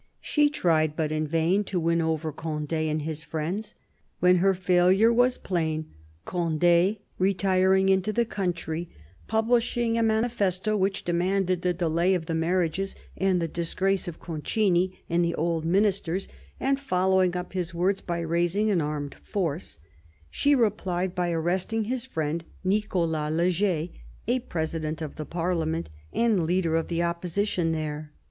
She tried, but in vain, to win over Conde and his friends. When her failure was plain — Conde retiring into the "^o^ntry, publishing a manifesto which demanded the delay of the marriages and the disgrace of Concini and the old Ministers, and following up his words by raising an armed force — she replied by arresting his friend Nicolas Le Jay, a president of the Parliament and leader of the opposition there.